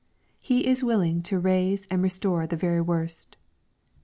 He is willing to raise and restore the very worst.